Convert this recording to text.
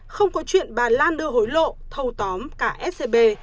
không có chuyện bà lan đưa hối lộ thâu tóm cả scb